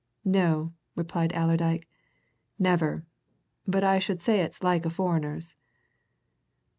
"No!" replied Allerdyke. "Never. But I should say it's a foreigner's."